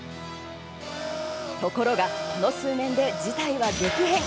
ところがこの数年で事態は激変！